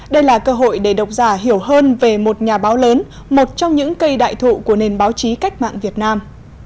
đây là cơ hội để độc giả hiểu hơn về một nhà báo lớn một trong những cây đại thụ của nền báo chí cách mạng việt nam